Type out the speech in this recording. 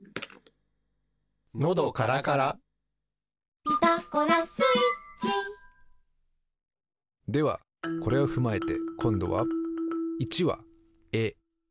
のどからから「ピタゴラスイッチ」ではこれをふまえてこんどは１は「え」